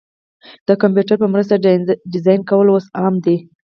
د کمپیوټر په مرسته ډیزاین کول اوس عام دي.